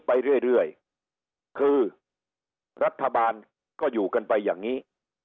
ไปเรื่อยคือรัฐบาลก็อยู่กันไปอย่างนี้